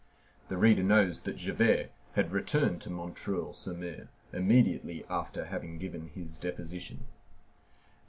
The reader knows that Javert had returned to M. sur M. immediately after having given his deposition.